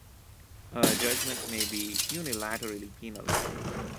A judgment may be unilaterally penal.